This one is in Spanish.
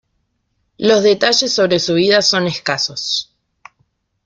Los detalles sobre su vida son escasos.